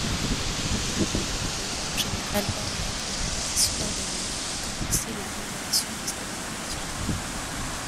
Le lieutenant-général Palmer demande à ses subordonnés de commencer les opérations de stabilisation.